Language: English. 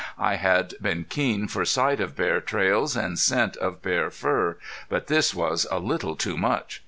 I had been keen for sight of bear trails and scent of bear fur, but this was a little too much.